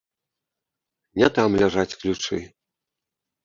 Не там ляжаць ключы.